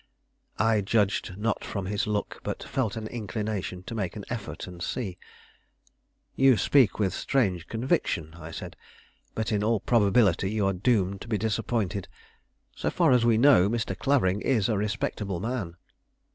I judged not from his look, but felt an inclination to make an effort and see. "You speak with strange conviction," I said; "but in all probability you are doomed to be disappointed. So far as we know, Mr. Clavering is a respectable man."